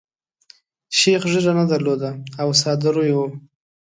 شیخ ږیره نه درلوده او ساده روی وو.